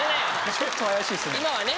ちょっと怪しいですね。